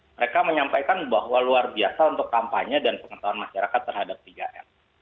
mereka menyampaikan bahwa luar biasa untuk kampanye dan pengetahuan masyarakat terhadap tiga m